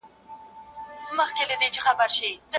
فارابي په دې باور و چي نړۍ يو واحد حکومت ته اړتيا لري.